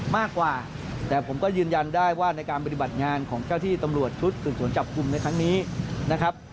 มากกว่าแต่ผมก็ยืนยันได้ว่าในการปฏิบัติงานของเจ้าที่ตำรวจชุดสืบสวนจับกลุ่มในครั้งนี้นะครับ